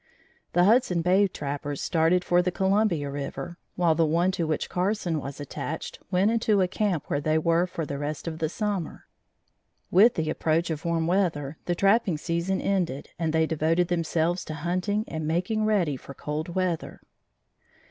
The Hudson Bay trappers started for the Columbia River, while the one to which Carson was attached went into camp where they were for the rest of the summer. With the approach of warm weather the trapping season ended and they devoted themselves to hunting and making ready for cold weather.